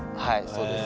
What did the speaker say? そうです。